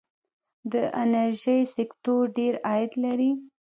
د انرژۍ سکتور ډیر عاید لري.